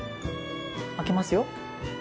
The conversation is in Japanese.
開けますよ。